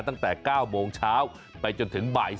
ตั้งแต่๙โมงเช้าไปจนถึงบ่าย๓